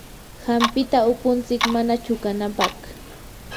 hampita upuntsik mana chuqanapaq.